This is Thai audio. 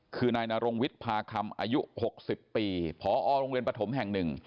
คือนายนรงวิทย์พาคำอายุ๖๐ปีพอโรงเรียนปฐมแห่งหนึ่ง